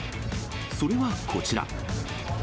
それはこちら。